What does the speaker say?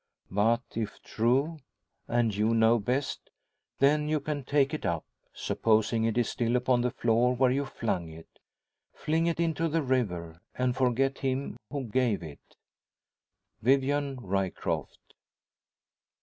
But if true and you know best then you can take it up supposing it is still upon the floor where you flung it fling it into the river, and forget him who gave it. "Vivian Ryecroft."